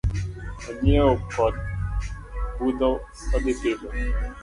Onyiewo koth budho odhi pidho